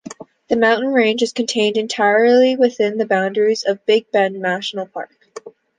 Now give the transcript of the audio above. The mountain range is contained entirely within the boundaries of Big Bend National Park.